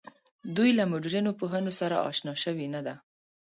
دوی له مډرنو پوهنو سره آشنا شوې نه ده.